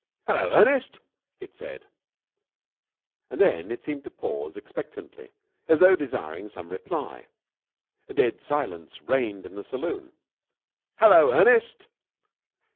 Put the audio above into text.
"Hullo, Ernest," it said. And then it seemed to pause expectantly, as though desiring some reply. Dead silence reigned in the saloon. "Hullo, Ernest!"